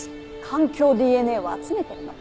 環境ＤＮＡを集めてるの。